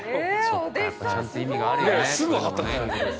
ちゃんと意味があるよね